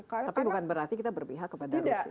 tapi bukan berarti kita berpihak kepada putin dalam hal ini